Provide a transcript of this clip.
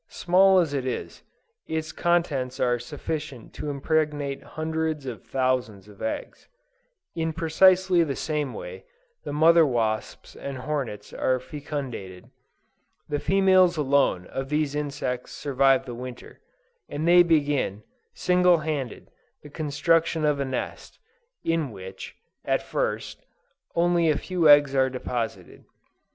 Small as it is, its contents are sufficient to impregnate hundreds of thousands of eggs. In precisely the same way, the mother wasps and hornets are fecundated. The females alone of these insects survive the winter, and they begin, single handed, the construction of a nest, in which, at first, only a few eggs are deposited.